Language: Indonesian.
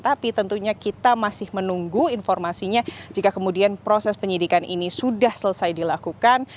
tapi tentunya kita masih menunggu informasinya jika kemudian proses penyidikan ini sudah selesai dilakukan